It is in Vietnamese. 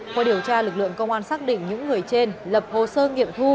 qua điều tra lực lượng công an xác định những người trên lập hồ sơ nghiệm thu